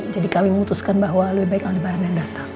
jadi kami memutuskan bahwa lebih baik alibaran yang datang